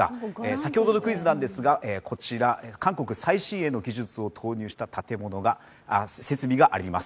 先ほどのクイズなんですがこちら韓国最新鋭の技術を投影した設備があります。